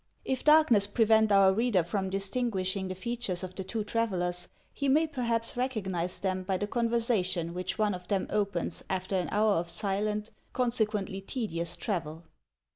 If darkness prevent our reader from distinguishing the features of the two travellers, he may perhaps recognize them by the conversation which one of them opens after an hour of silent, consequently tedious travel.